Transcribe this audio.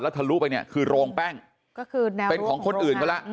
แล้วทะลุไปเนี่ยคือโรงแป้งก็คือแนวรู้ของโรงงานเป็นของคนอื่นเขาแล้ว